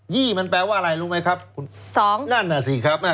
ี่มันแปลว่าอะไรรู้ไหมครับคุณสองนั่นน่ะสิครับน่ะ